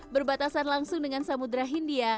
berbatasan langsung dengan samudera hindia